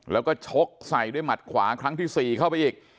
แล้วก็ชกใส่ด้วยหมัดขวาครั้งที่๔เข้าไปอีก